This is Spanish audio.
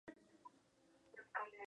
El club viste de color negro y amarillo.